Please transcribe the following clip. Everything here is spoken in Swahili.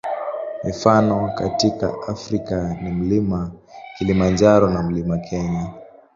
Mifano katika Afrika ni Mlima Kilimanjaro na Mlima Kenya.